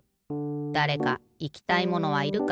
だれかいきたいものはいるか？